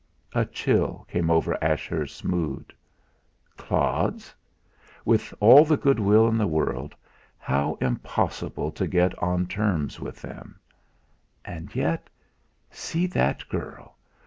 A chill came over Ashurst's mood. Clods? With all the good will in the world, how impossible to get on terms with them! And yet see that girl!